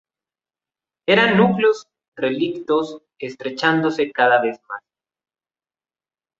Eran núcleos relictos estrechándose cada vez más.